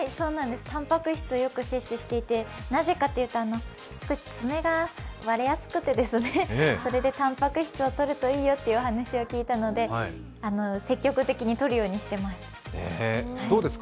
たんぱく質をよく接種していてなぜかと言うと、少し爪が割れやすくてたんぱく質をとるといいよという話を聞いたので、積極的にとるようにしてます。